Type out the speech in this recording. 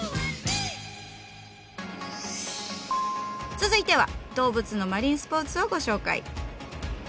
続いては動物のマリンスポーツをご紹介。